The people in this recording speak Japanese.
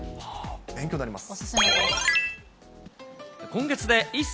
勉強になります。